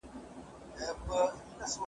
زه کولای سم لوبه وکړم،